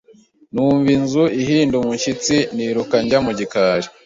Numva inzu ihinda umushyitsi, niruka njya mu gikari.